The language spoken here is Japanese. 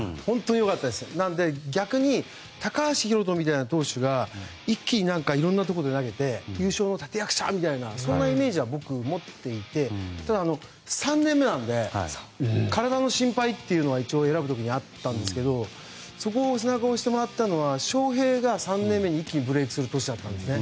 なので逆に高橋宏斗みたいな投手が一気にいろんなところで投げて優勝の立役者みたいなそんなイメージは持っていてただ、３年目なので体の心配は一応選ぶ時にあったんですけどもそこを背中をしてもらったのが翔平が３年目に一気にブレークする年だったんですね。